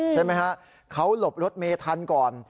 ใช่ไหมฮะเขาหลบรถเมทันก่อน